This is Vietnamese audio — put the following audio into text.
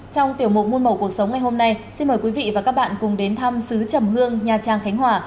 trong tiểu mục muôn màu cuộc sống ngày hôm nay xin mời quý vị và các bạn cùng đến thăm xứ chầm hương nha trang khánh hòa